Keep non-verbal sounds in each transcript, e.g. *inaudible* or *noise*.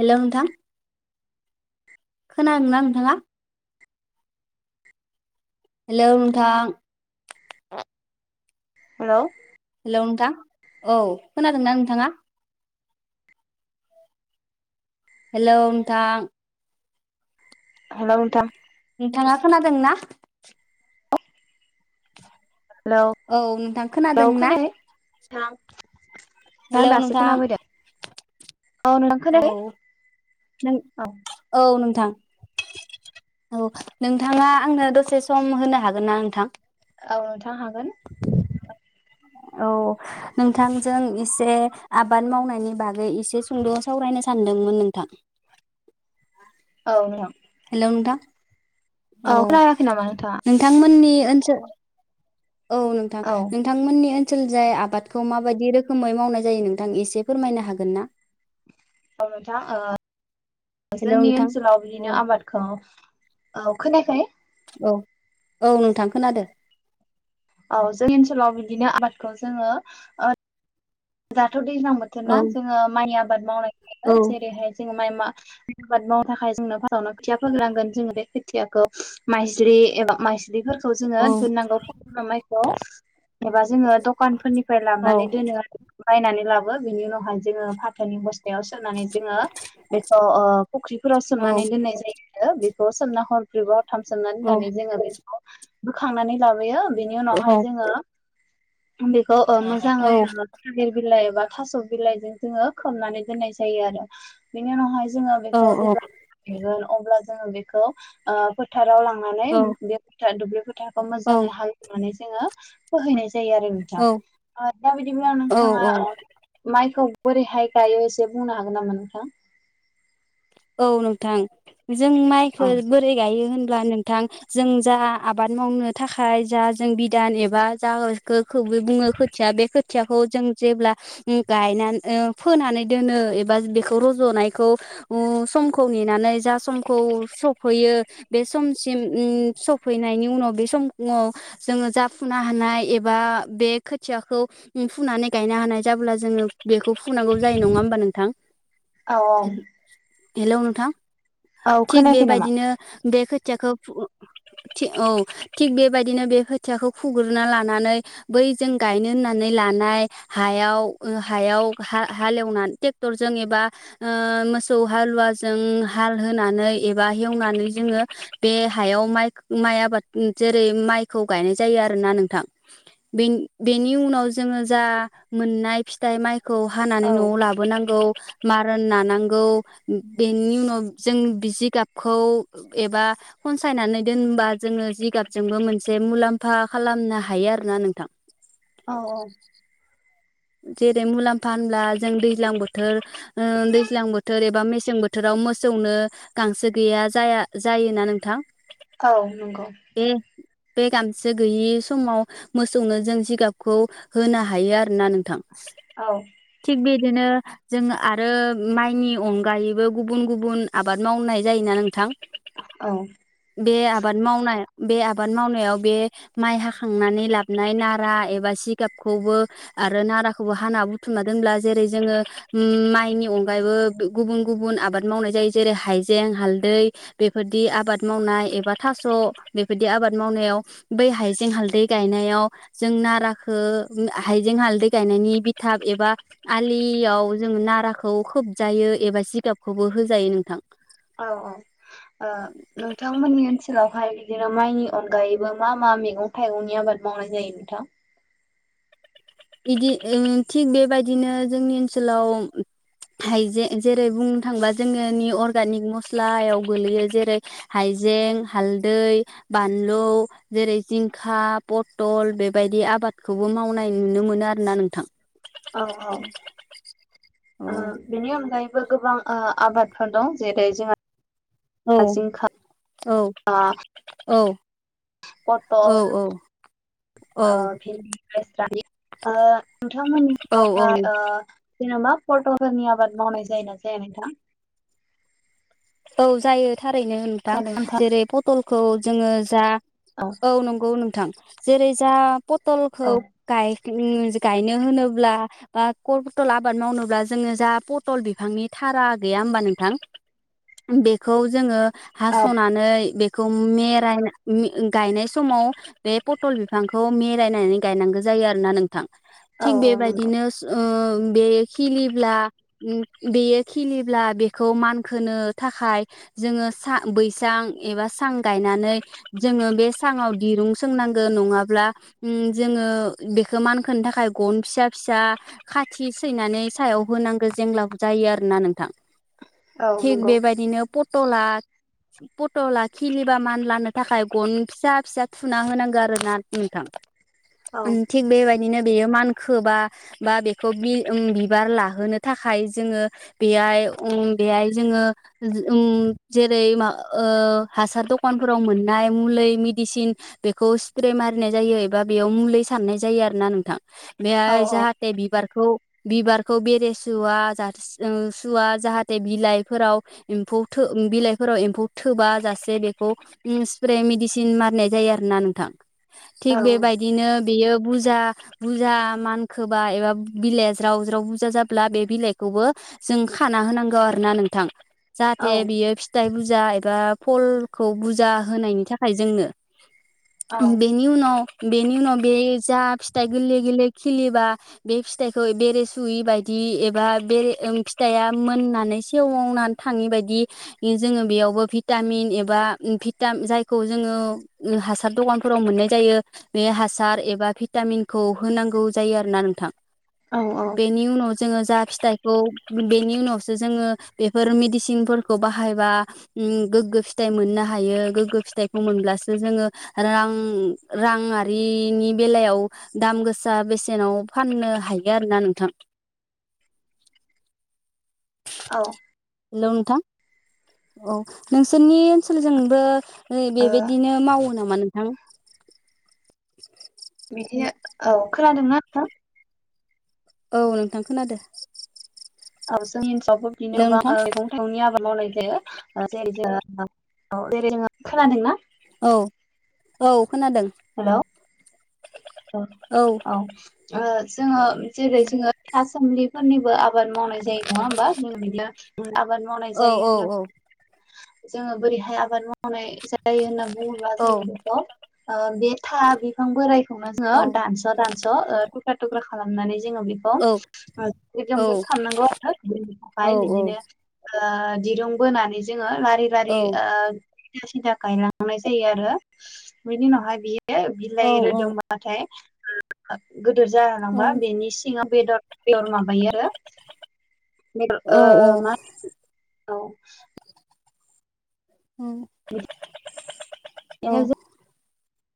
हेल' नोंथां खोनदों ना नोंथाङा हेल' नोंथां हेल' हेलौ नोंथां औ खोनादोंना नोंथाङा हेल' नोंथां हेल' नोंथां नोंथाङा खोनादोंना? हेलौ औ नोंथां औ खोनादोंना खोनायाखै? *inaudible* थां हेलौ आं दासो नोंथां खोनाफैदों। औ नोंथां खोनायाखै? नों *inaudible* औ। औ नोंथां। *inaudible* औ नोंथाङा आंनो दसे सम होनो हागोन ना नोंथां? औ नोंथां हागोन। औ नोंथांजों एसे आबाद मावनायनि बागै एसे सुंद' सावराय नो सानदोंमोन नोंथां। औ नोंथ हेलौ नोंथां *inaudible* औ खोनायाखै नामा नोंथाङा नोंथांमोननि ओसोल *inaudible* औ नोंथां औ नोंथांमोननि ओन सोलजाय आबादखौ माबायदि रोखोमै मावनाय जायो नोंथां एसे फोरमायनो हागोन ना? अ नोंथां ओ हेल' जोंनि नोंथां ओनसोलाव औ बिदिनो आबादखौ औ खोनायाखै? औ औ नोंथां खोनादों। औ जोंनि ओनसोलाव बिदिनो आबादखौ जोङो ओ दाथ' दैज्लां बोथोर ना औ जोङो माइ आबाद मावनाय औ जायो जेरैहाय जोङो माइ मा आबाद मावनो थाखाय जोंनो हरावनो खोथिया फोनो नांगोन जोङो बे खोथियाखौ माइज्रि एबा माइज्रिफोरखौ जोङो औ दोननांगौ फथबना माइखौ। एबा जोङो दखानफोरनिफ्राय औ लांनानै दोनो आरो। बायनानै लाबो बिनि उनावहाय जोङो फाथोनि बस्थ थायाव सोमनानै जोङो बेखौ फुख्रिफोराव सोमनानै दोननाय जायो आरो सोमना हरब्रै बा हरथाम औ सोनादोनानै जों बोखांनानै ला यो बिनि औ उनावहाय जोङो बेखौ ओ औ मोजाङै ओ बिलाइ एबा थास' बिलाइजों जोङो खोबनानै दोननाय जायो आरो। बिनि उनावहाय ज जों बेखौ औ जेब्लागोन अब्ला जोङो बेखौ ओ फोथाराव लां नानै दुब्लि फोथारखौ मोजाङै हालएवनानै जोङो फोहैनाय जाय जायो आरो नोंथां औ माबादिबा औ नोंथाङा औ माइखौ बोरैहाय गायो एसे बुंनो हागोन नामा नोंथां? औ नोंथां जों माइखो औ बोरै गाय गायो होनब्ला नोंथां जों जा आबाद मावनो थाखाय जा जों बिधान एबा जा खौबो बुङो खोथिया बे खोथिया खोथियाखौ जों उम जेब्ला गायनानै ओ फोनानै दोनो एबा बेखौ रज'नायखौ उम समखौ नेनानै जा समखौ सफैयो बे समसिम उम सफैनाय नायनि उनाव समाव जोङो जा फुनो हानाय एबा बे खोथियाखौ फु नानै गायनो हानाय जाब्ला जोङो बेखौ फुनांगौ जायो नङा होमबा नोंथां? औ हेलौ नोंथां औ थिग खोनायाखै नामा? बेबायदिनो बे खोथियाखौ फु थि औ थिग बेबायदिनो बे खोथियाखौ फुगोरना लानानै बै जों गायनो होननानै लानाय हायाव ओ हायाव हा-हालेवना ट्रेक्टरजों एबा ओ मोस मोसौ हालुवाजों हाल होनानै एबा हेवनानै जोङो बे हायाव माइ माइ आबाद जेरै माइखौ गायनाय जायो आरोना नोंथां। बे-बेनि उनाव जोङो जा मोननाय फिथाइ माइखो हानानै औ नआव लाबोनांगौ मारा नानांग गौ। बेनि उनाव जों जिगाबखौ एबा खनसायनानै दोन होमबा जोङो जिगाबजोंबो मोनसे मुलाम्फा खालामनो हायो आरोना नोंथां। औ औ। जेरै मुलाम्फा होनब्ला जों दैज्लां बोथोर ओ दैज्लां बोथोर एबा मेसें मेसें बोथोराव मोसौनो गांसो गैया जाया-जायोना नोंथां। औ नंगौ दे। बे गांसो गैयि समाव मोसौनो जों जिगाबखौ होनो हायो आरोना नोंथां। औ थिग बिदिनो जोङो आरो माइनि अनगायैबो गुबुन गुबुन आबाद मावनाय जायोना नोंथां औ बे आबाद मावनाय बे आबाद मावनायाव बे माइ हाखांनानै लाबनाय नारा एबा जिगाबखौबो आरो नाराखौबो हाना बुथुमना दोनब्ला जेरै- जोङो उम माइनि अनगायैबो गुबुन गुबुन बुन आबाद मावनाय जायो जेरै- हाइजें हालदै बेफोरदि आबाद मावनाय एबा थास' बेबायदि आबाद मावनायाव बै हाइजें हालदै गायनायाव जों नाराखो हाइजें हालदै गायनायनि बिथाब एबा आलियाव जोङो नाराखौ खोबजायो एबा जिगाब खौबो होजायो नोंथां औ औ ओ नोंथांमोननि ओनसोलावहाय जेराव माइनि अनगायैबो मा मा मैगं थाइगंनि आबाद मावनाय जायो नोंथां? इदि ओ थिग बेबायदिनो जोंनि ओनसोलाव हाइजे जेरै- बुंनो थाङोबा जोङो नि अर्गानिक मस्लायाव गोलैयो जेरै- हाइ जें हालदै बानलु जेरै- जिंखा पथल बेबायदि आ बादखौबो मावनाय नुनो मोनो आरोना नोंथां। औ औ औ ओ बिनि अनगायै बो गोबां ओ आबादफोर दं जेरै- औ जोंहा जिंखा औ आ औ पटल औ औ ओ भिन्दि *unintelligible* ओ नोंथांमोननि औ *unintelligible* ओ जेन'बा पटलफोरनि आबाद मावनाय जायोना जाया नोंथां? औ जायो। थारैनो नोंथां जेरै- पटलखौ जोङो जा औ नंगौ नोंथां जेरै- जा पटलखौ औ गाय ओम गायनो होनोब्ला बा खल पथल आबाद मावनोब्ला जोङो जा पटल बिफांनि था थारा गैया होमबा नोंथां बेखौ जोङो औ हास'नानै बे खौ मेराय गायनाय समाव बे पथल बिफांखौ मेरायनानै गायनांगौ जा जायो आरोना नोंथां औ थिग औ नंगौ बेबायदिनो ओ बे खिलिब्ला बेयो खिलिब्ला बेखौ मानखोनो थाखाय जोङो सा बैसां एबा सां गायनानै जोङो बे साङाव दि दिरुं सोंनांगो नङाब्ला उम जोङो बेखौ मानखोनो थाखाय गन फिसा फिसा खाथि सैनानै सायाव होनांगौ जेंलाब जायो आरोना नोंथां। औ थिग नंगौ। बेबायदिनो पटला पटला खिलिबा मानलानो थाखाय गन फिसा फिसा थुना होनांगौ आरोना नोंथां। औ थिग बेबाय निनो बेयो मानखोबा बा बेखौ बि ओम बिबार लाहोनो थाखाय जोङो बे हाय ओम बेहाय जोङो उम जेरै- मा ओ हासार द'खानफोराव मोननाय मुलि मेडिसिन बेखौ स्प्रे मारिनाय जायो एबा बेयाव मुुलि सारनाय जायो आरो ना नोंथां। औ बेहाय औ जाहाथे बिबार खौ बिबारखौ बेरे सुवा ओ सुवा जाहाथे बिलाइफोराव एम्फौ थो बिलाइफोराव एम्फौ थोबा जासे बेखौ स्प्रे मेदिसिन मारिनाय जायो आरो ना नोंथां थिक औ औ बेबायदिनो बेयो बुरजा बुरजा मानखोबा एबा बिलाइआ ज्राव ज्राव बुरजा जाब्ला बे बिलाइखौ खौबो जों खाना होनांगौ आरोना नोंथां जाहाथे बियो फिथाइ बुरजा एबा फलखौ बुरजा होनायनि थाखाय जोंनो। बेनि उनाव बेनि उनाव बे जा फिथाइ गोरलै गोरलै खिलिबा बे फिथाइखौ बेरे सुयै बायदि दि एबा बेरे ओम फिथाइया मोननानै सेवना थाङि बायदि जोङो बेयावबो भिटामिन एबा भिटाम जायखौ जोङो हासार दखानफोराव मोननाय जायो बे हासार एबा भिटामिनखौ होनांगौ जायो आरो ना नोंथां औ औ बेनि उनाव जोङो जा फिथाइखौ बेनि उनावसो जोङो बे फोर मेदिसिनफोरखौ बाहायबा गोग्गो फिथाइ मोननो हायो गोग्गो फिथाइखौ मोनब्लासो जोङो रां रांङारिनि बेलायाव दाम गोसा बेसेनाव फाननो हायो आरोना नोंथां औ हेलौ नोंथां औ नोंसोरनि ओनसोलजोंबो ओ बेबायदिनो मावो नामा नोंथां? बिदि औ खोनादोंना नोंथां? औ नोंथां खोनादो औ जों *unintelligible* बिदिनो मैगं थाइगंनि आबाद मावनाय *unintelligible* जैरै जोङो खोनादों ना? औ औ खोनादों हेलौ औ औ जोङो जेरै जोङो थासोमलिफोरनिबो आबाद मावनाय जायो नङा होमबा नोंनो आबाद मावनाय औ जायो औ होनना औ जोङो बोरैहाय आबाद मावनाय जायो होनना बुङोब्ला औ जोङो बेखौ ओ बे था बिफां बोरायखौनो जोङो औ दानस' दानस' थुख्रा थुख्रा खालामनानै जोङो बेखौ औ औ *unintelligible* खालामनांगौ आरो *unintelligible* थाखाय बिदिनो औ ओ दिरुं बोनानै जोङो लारि लारि ओ सिदा सिदा गायलांनाय जायो आरो बेनि उनावहाय बियो बिलाइ औ औ रोदोमबाथाय गिदिर जालांबा औ बेनि सिङाव बेदर बेदर माबायो आरो औ ओ औ मा औ औ औ बिदिनो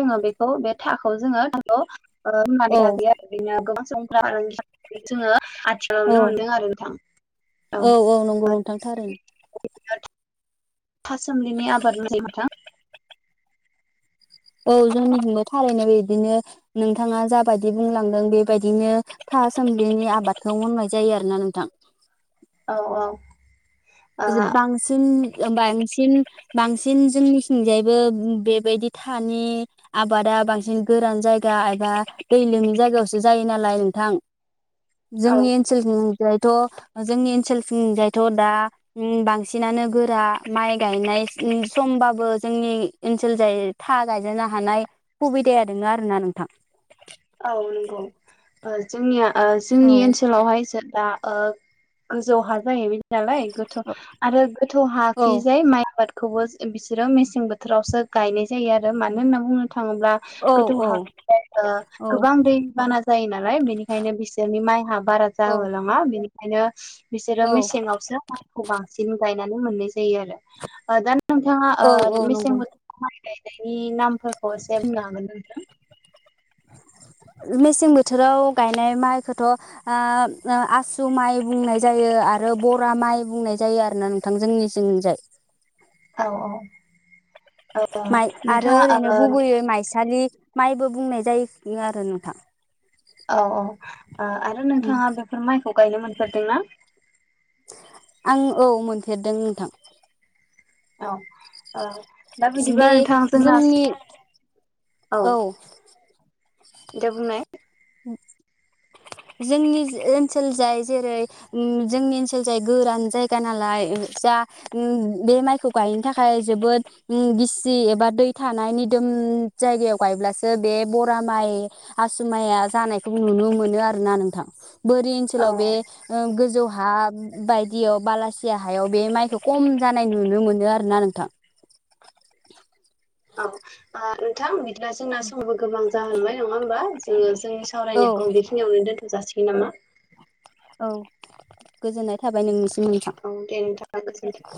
जोङो बेखौ बे थाखौ जोङो थाखौ औ रुनानै जाजायो आरो बेनो गोबां जोङो *unintelligible* हमदों औ आरो नोंथां औ औ नंगौ नोंथां थारैनो थासोमलिनि आबाद *unintelligible* औ जोंनिथिंबो थारैनो बिदिनो नोंथाङा जाबायदि बुंलांदों बेबायदिनो था सोमलिनि आबादखौ मावनाय जायो आरोना नोंथां औ औ ओ बांसिन बांसिन बांसिन जोंनिथिंजायबो बेबायदि थानि आबादा बांसिन गोरान जायगा एबा दै लोमि जायगायावसो जायो नालाय नोंथां औ जोंनि ओनसोलथिं जायथ' जोंनि ओनसोलथिं जायथ' दा बांसिनानो गोरा माइ गायनाय समबाबो जोंनि ओनसोल जाय गायजनो हानाय सुबिदाया दङ आरोना नोंथां। औ नंगौ जोंनिया औ जोंनि ओनसोलावहाय दा गोजौ हा जाहैबायदि नालाय गोथौ आरो गोथौ औ हाखैजाय माइबाद खौबो बिसोरो मेसें बोथोरावसो गायनाय जायो आरो मानो होनना बुङोब्ला थाङोब्ला औ गोथौ हा ओ औ गोबां दैबाना जायो नालाय बेनिखायनो बिसोरनि माइहा बारा जाहोलाङा बिनि ओंखायनो बिसोरो औ मेसेंवसो आाखौ बांसिन गायनानै मोननाय जायो आरो दा नोंथाङा औ ओ औ मेसें नंगौ बोथोराव माइ गायनायनि नामफोरखौ एसे बुंनो हागोन नोंथां? *inaudible* मेसें बोथोराव गायनाय माइखौथ' आसु माइ बुंनाय जायो आरो आरो बरा माइ बुंनाय जायो आरोना नोंथां जोंनि थिंजाय। औ औ माइ आरो नोंथां नोंथाङा ओ ओरैनो गुबैयै माइसालि माइबो बुंनाय जायोखि आरो नोंथां। औ औ ओ आरो उम नोंथाङा बेफोर माइखौ गायनो मोनफेरदोंना? आं औ मोनफेरदों नोंथां। औ ओ दा बे बिदिबा नोंथां जोंना स जोंनि औ दे बुंनाय जोंनि जो ओनसोल जाय जेरै उम जोंनि ओनसोल जाय गोरान जायगा नालाय ओ जा उम बे माइखौ गायनो थाखाय जोबोद उम गिसि एबा दै थानायनि दोम उम जायगायाव गायब्लासो बे बरा माइ आसु माइआ जानायखौ नुनो मोनो आरो ओरना नोंथां बोरि औ ओनसोलाव बे ओ गोजौ हा बायदियाव बालासि टिया हायाव बे माइखौ कम जानाय नुनो मोनो आरो ना नोंथां। औ ओ नोंथां बिदिब्ला जोंना समबो गोबां जाहांबाय नङा होमबा जोङो जोंनि औ सावरायनायखौ बेखिनियावनो दोन्थ' जासिगोन नामा? औ गोजोननाय थाबाय नोंस औ दे नोंथां गोजोन्नाय थाबाय।